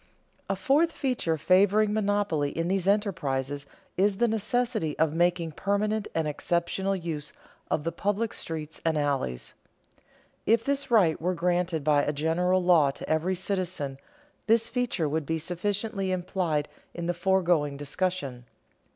_A fourth feature favoring monopoly in these enterprises is the necessity of making permanent and exceptional use of the public streets and alleys._ If this right were granted by a general law to every citizen, this feature would be sufficiently implied in the foregoing discussion.